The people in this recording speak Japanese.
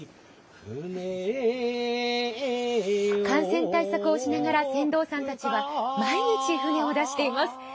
感染対策をしながら船頭さんたちは毎日、舟を出しています。